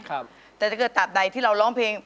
แต่ถ้าเกิดตามใดที่เราร้องเพลง